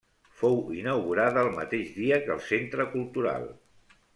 Fou inaugurada el mateix dia que el Centre Cultural.